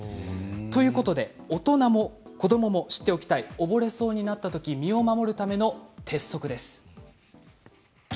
ということで大人も子どもも知っておきたい溺れそうになったとき身を守るための鉄則です。